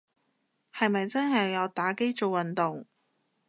係咪真係有打機做運動